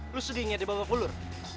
lo sedih ngeliat dia bawa bulur